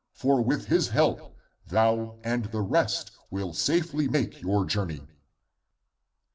For with his help, thou and the rest will safely make your jour ney.'